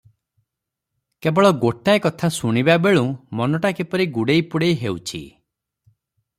କେବଳ ଗୋଟାଏ କଥା ଶୁଣିବାବେଳୁଁ ମନଟା କିପରି ଗୁଡ଼େଇପୁଡ଼େଇ ହେଉଛି ।